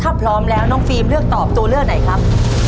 ถ้าพร้อมแล้วน้องฟิล์มเลือกตอบตัวเลือกไหนครับ